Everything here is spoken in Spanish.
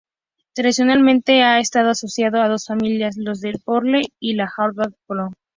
Tradicionalmente ha estado asociado a dos familias, los "De la Pole" y los "Howard".